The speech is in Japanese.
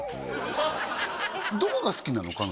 どこが好きなの？